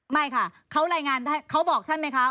ไม่ค่ะเขาบอกท่านไหมคะ